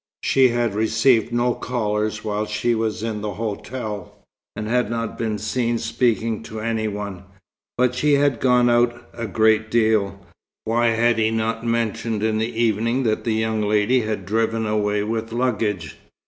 She had received no callers while she was in the hotel, and had not been seen speaking to any one: but she had gone out a great deal. Why had he not mentioned in the evening that the young lady had driven away with luggage?